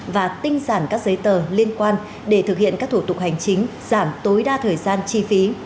và tinh sản các giấy tờ liên quan để thực hiện các thủ tục hành chính giảm tối đa thời gian chi phí